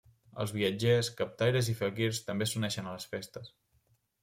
Els viatgers, captaires i faquirs també s'uneixen a les festes.